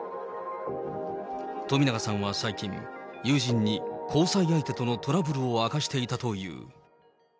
冨永さんは最近、友人に交際相手とのトラブルを明かしていたという。